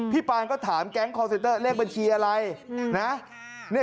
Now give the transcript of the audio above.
พี่ปานก็ถามแก๊งคอลเซ็นเตอร์เรียกบัญชีอะไร